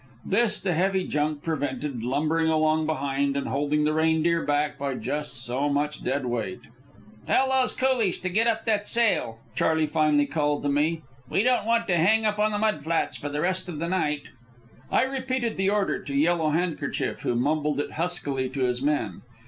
This the heavy junk prevented lumbering along behind and holding the Reindeer back by just so much dead weight. "Tell those coolies to get up that sail" Charley finally called to me. "We don't want to hang up on the mud flats for the rest of the night." I repeated the order to Yellow Handkerchief, who mumbled it huskily to his men.